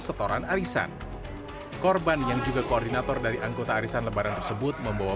setoran arisan korban yang juga koordinator dari anggota arisan lebaran tersebut membawa